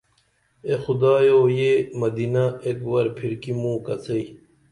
اے خدایو یہ مدینہ ایک ور پِھرکی موں کڅئی